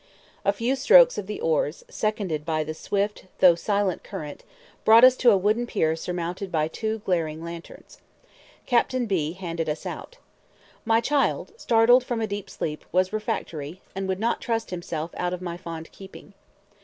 A few strokes of the oars, seconded by the swift though silent current, brought us to a wooden pier surmounted by two glaring lanterns. Captain B handed us out. My child, startled from a deep sleep, was refractory, and would not trust himself out of my fond keeping.